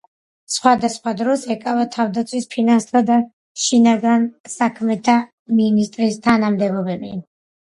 სხვადასხვა დროს ეკავა თავდაცვის, ფინანსთა და შინაგან საქმეთა მინისტრის თანამდებობები.